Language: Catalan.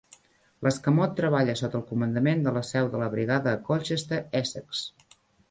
L'escamot treballa sota el comandament de la seu de la Brigada a Colchester, Essex.